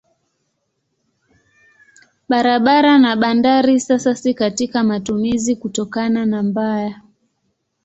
Barabara na bandari sasa si katika matumizi kutokana na mbaya.